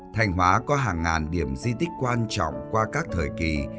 thanh hóa có hàng ngàn điểm di tích quan trọng qua các thời kỳ